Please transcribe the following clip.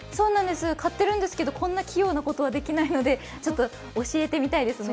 飼ってるんですけどこんな器用なことはできないので教えてみたいですね。